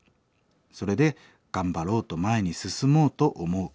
それで頑張ろうと前に進もうと思う。